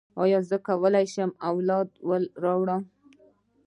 ایا زه به وکولی شم اولاد راوړم؟